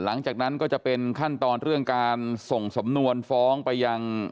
หลังจากนั้นก็จะเป็นขั้นตอนเรื่องการส่งสำนวนฟ้องไปยัง